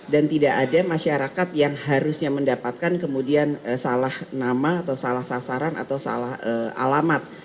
dan tidak ada masyarakat yang harusnya mendapatkan kemudian salah nama atau salah sasaran atau salah alamat